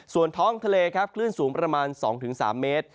ส่วนท้องทะเลครับคลื่นสูงประมาณ๒๓เมตร